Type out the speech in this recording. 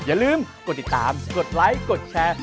อย่าลืมกดติดตามกดไลค์กดแชร์